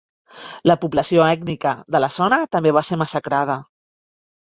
La població ètnica de la zona també va ser massacrada.